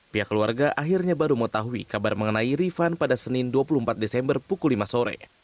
pihak keluarga akhirnya baru mengetahui kabar mengenai rifan pada senin dua puluh empat desember pukul lima sore